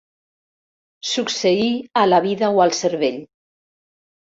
Succeir, a la vida o al cervell.